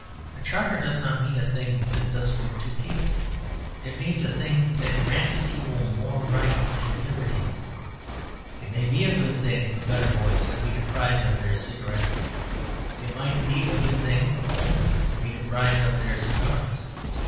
A charter does not mean a thing that does good to people. It means a thing that grants people more rights and liberties. It may be a good thing for gutter boys to be deprived of their cigarettes: it might be a good thing for aldermen to be deprived of their cigars.